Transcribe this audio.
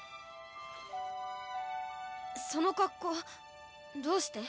その格好どうして？